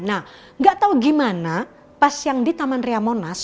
nah nggak tahu gimana pas yang di taman ria monas